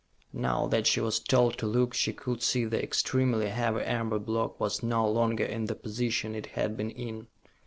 Now that she was told to look, she could see the extremely heavy amber block was no longer in the position it had been in.